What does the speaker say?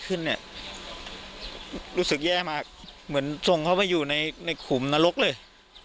ขึ้นเนี่ยรู้สึกแย่มากเหมือนส่งเขาไปอยู่ในขุมนรกเลย